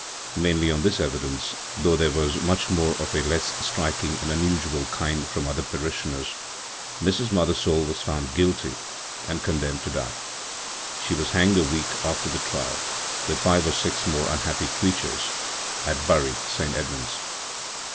Mainly on this evidence, though there was much more of a less striking and unusual kind from other parishioners, Mrs. Mothersole was found guilty and condemned to die. She was hanged a week after the trial, with five or six more unhappy creatures, at Bury St. Edmunds.